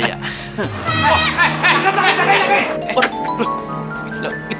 tidak takut takut takut